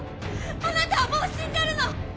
あなたはもう死んでるの！